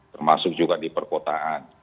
termasuk juga di perkotaan